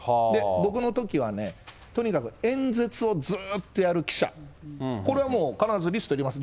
僕のときはね、とにかく演説をずっとやる記者、これはもう必ずリストに入れます。